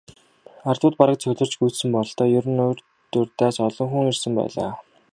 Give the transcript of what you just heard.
Ардууд бараг цугларч гүйцсэн бололтой, ер нь ч урьд урьдаас олон хүн ирсэн байлаа.